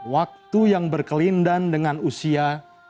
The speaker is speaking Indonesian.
waktu yang berkelindan dengan usia